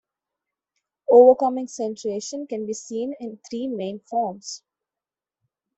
Overcoming centration can be seen in three main forms.